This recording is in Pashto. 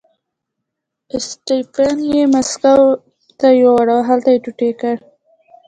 اسټپان یې مسکو ته یووړ او هلته یې ټوټې کړ.